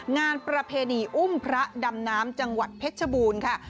งานประเพณีอุ้มพระดำน้ำจังหวัดเพชรชบูรณ์ค่ะ